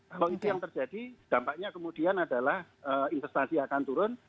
kalau itu yang terjadi dampaknya kemudian adalah investasi akan turun